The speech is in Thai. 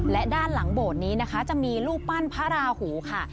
และด้านหลังโบสถ์นี้นะคะจะมีรูปปั้นพระราหูค่ะ